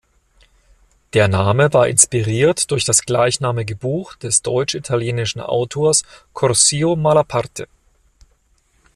Der Name war inspiriert durch das gleichnamige Buch des deutsch-italienischen Autors Curzio Malaparte.